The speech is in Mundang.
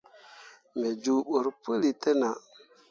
Me juubǝrri puli te nah.